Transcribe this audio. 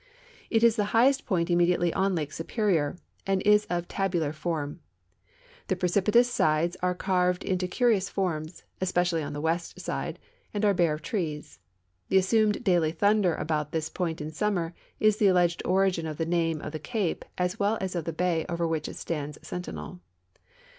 It is the highest point immediately on Lake Superior, and is of tabular form. The precipitous sides are carved into curious forms, especially on the west side, and are bare of trees. The assumed daily thunder about this point in summer is the alleged origin of the name of the cape as well as of the bay over which it stands sentinel.